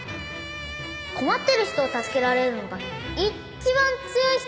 困ってる人を助けられるのが一番強い人なんだって。